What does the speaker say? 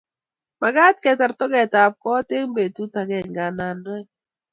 mekat ketar toketab koot eng betut agenge anan oeng'